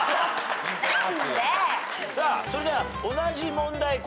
それでは同じ問題